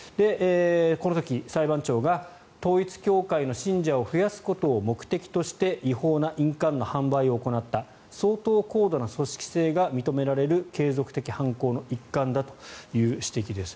この時、裁判長が統一教会の信者を増やすことを目的として違法な印鑑の販売を行った相当高度な組織性が認められる継続的犯行の一環だという指摘です。